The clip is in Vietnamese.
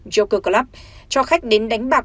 joker club cho khách đến đánh bạc